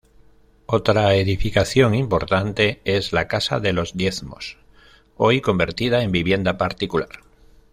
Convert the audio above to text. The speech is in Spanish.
Otra edificación importante es la Casa de los Diezmos, hoy convertida en vivienda particular.